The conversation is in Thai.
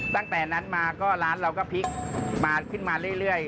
ตั้งแต่นั้นมาก็ร้านเราก็พลิกมาขึ้นมาเรื่อย